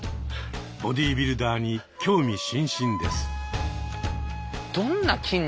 ボディービルダーに興味津々です。